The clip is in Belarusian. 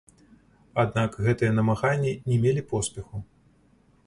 Аднак гэтыя намаганні не мелі поспеху.